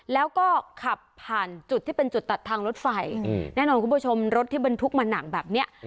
แล้วก็ขับผ่านจุดที่เป็นจุดตัดทางรถไฟแน่นอนคุณผู้ชมรถที่บรรทุกมาหนักแบบนี้